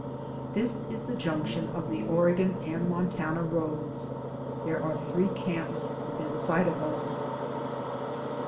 This is the junction of the Oregon and 240 DAYS ON THE ROAD. Montana roads. There are three camps within sight of us.